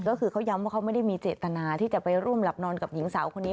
ก็คือเขาย้ำว่าเขาไม่ได้มีเจตนาที่จะไปร่วมหลับนอนกับหญิงสาวคนนี้